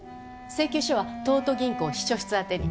請求書は東都銀行秘書室宛てに。